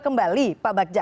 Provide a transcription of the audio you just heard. kembali pak bagja